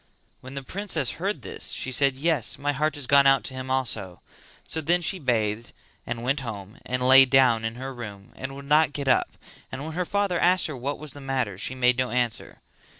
When the princess heard this she said "Yes, my heart has gone out to him also;" so then she bathed and went home and lay down in her room and would not get up, and when her father asked her what was the matter, she made no answer.